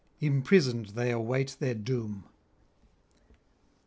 Imprisoned they await their doom.